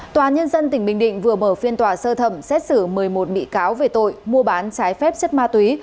tòa nhân dân tỉnh bình định vừa mở phiên tòa sơ thẩm xét xử một mươi một bị cáo về tội mua bán trái phép chất ma túy